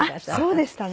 そうでしたね。